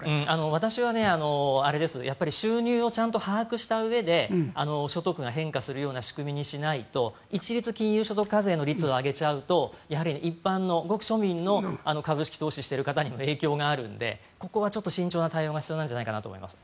私は収入をちゃんと把握したうえで所得が変化するような仕組みにしないと一律金融所得課税の率を上げちゃうと一般のごく庶民の株式投資している方にも影響があるのでここは慎重な対応が必要なんじゃないかと思います。